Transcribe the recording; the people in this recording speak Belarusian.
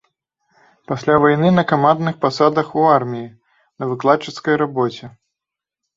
Пасля вайны на камандных пасадах у арміі, на выкладчыцкай рабоце.